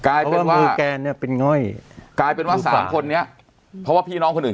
กลายเป็นมือแกเนี่ยเป็นง่อยกลายเป็นว่าสองคนนี้เพราะว่าพี่น้องคนอื่น